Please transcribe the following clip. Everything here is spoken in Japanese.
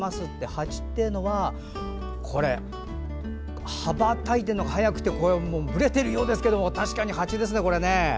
ハチっていうのは羽ばたいてるのが速くてぶれてるようですけど確かにハチですね、これ。